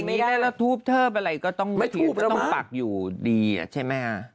แบบนี้แล้วทูบเทิบอะไรก็ต้องปากอยู่ดีอ่ะใช่ไหมอ่ะ